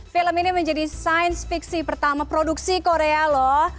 film ini menjadi sains fiksi pertama produksi korea loh